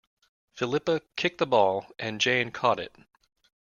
Philippa kicked the ball, and Jane caught it.